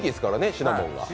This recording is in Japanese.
シナモンが。